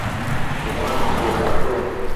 তোমার কোট আছে?